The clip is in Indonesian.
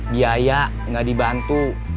biaya nggak dibantu